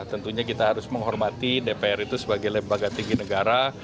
tentunya kita harus menghormati dpr itu sebagai lembaga tinggi negara